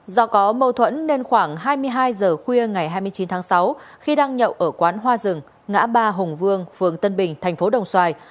do có mâu thuẫn nên khoảng hai mươi hai h khuya ngày hai mươi chín tháng sáu khi đang nhậu ở quán hoa rừng ngã ba hồng vương phường tân bình tp đồng xoài